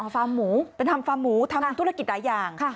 ฟาร์มหมูฟาร์มหมูทำธุรกิจหลายอย่าง